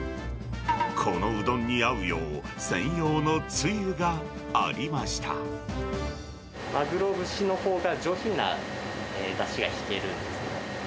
このうどんに合うよう、専用のつマグロ節のほうが上品なだしがひけるんですよね。